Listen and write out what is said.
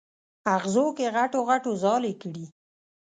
اغزو کې غټو غڼو ځالې کړي